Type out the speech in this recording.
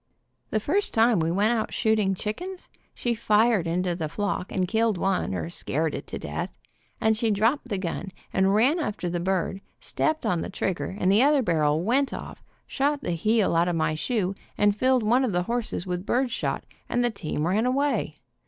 The first time we went out shooting chickens she fired into the flock and killed one, or scared it to death, and she dropped the gun and run after the bird, stepped on the trigger and the other barrel went off, shot the heel off my shoe, and filled one of the horses with birdshot, and the team ran away.